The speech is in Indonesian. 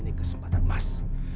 ini kesempatan emas